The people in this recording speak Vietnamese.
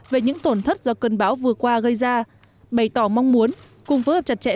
về những tổn thất do cơn bão vừa qua gây ra bày tỏ mong muốn cùng phối hợp chặt chẽ